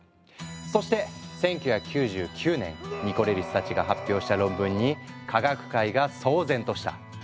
そして１９９９年ニコレリスたちが発表した論文に科学界が騒然とした。